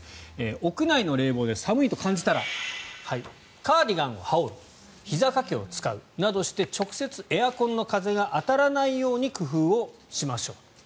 屋内の冷房で寒いと感じたらカーディガンを羽織るひざ掛けを使うなどして直接エアコンの風が当たらないように工夫をしましょう。